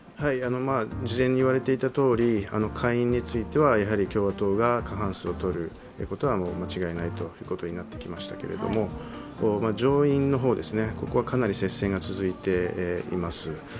事前にいわれていたとおり下院については共和党が過半数をとるということは間違いないということになってきましたが、上院の方、ここはかなり接戦が続いています。